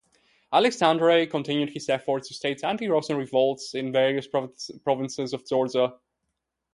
Aleksandre continued his efforts to stage anti-Russian revolts in various provinces of Georgia.